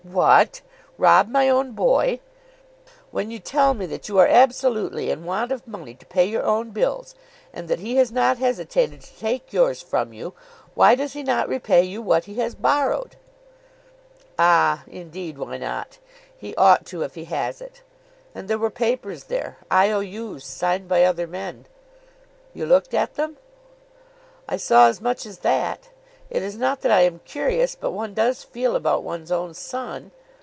"What; rob my own boy?" "When you tell me that you are absolutely in want of money to pay your own bills, and that he has not hesitated to take yours from you! Why does he not repay you what he has borrowed?" "Ah, indeed; why not? He ought to if he has it. And there were papers there; I. O. U.'s, signed by other men." "You looked at them." "I saw as much as that. It is not that I am curious, but one does feel about one's own son.